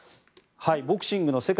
ボクシングの世界